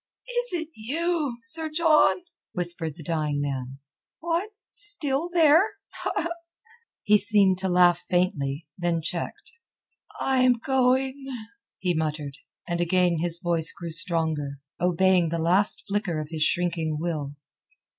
"Is it you, Sir John?" whispered the dying man. "What? Still there? Ha!" he seemed to laugh faintly, then checked. "I am going...." he muttered, and again his voice grew stronger, obeying the last flicker of his shrinking will.